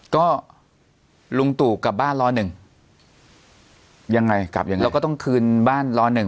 กลับบ้านรอหนึ่งยังไงกลับยังไงแล้วก็ต้องคืนบ้านรอหนึ่ง